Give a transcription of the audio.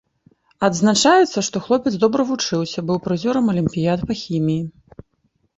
Адзначаецца, што хлопец добра вучыўся, быў прызёрам алімпіяд па хіміі.